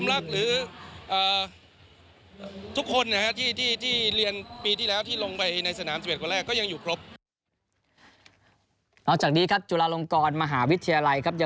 เหล่าจากนี้ครับจุฬาลงกรมหาวิทยาลัย